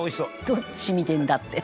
「どっち見てんだって。